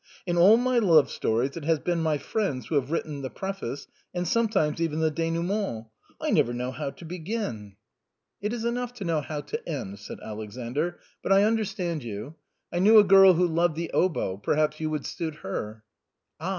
In all my love stories it has been my friends who have written the preface, and sometimes even the dénouement; I never knew how to begin." " It is enough to know how to end," said Alexander ;" but I understand you. I know a girl who loved the oboe, perhaps you would suit her." "Ah